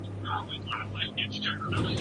هر ډول ځان وژنه یې وڅیړله.